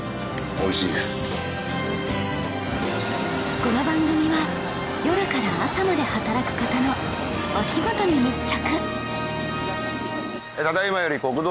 皆さんはこの番組は夜から朝まで働く方のお仕事に密着